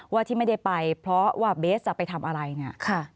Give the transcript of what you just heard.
ที่ไม่ได้ไปเพราะว่าเบสจะไปทำอะไรเนี่ย